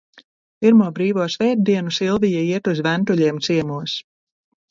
Pirmo brīvo svētdienu Silvija iet uz Ventuļiem ciemos.